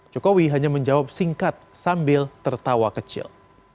jokowi hanya menjawab singkat sambil tertawa kecil